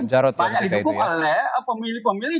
banyak didukung oleh pemilih pemilih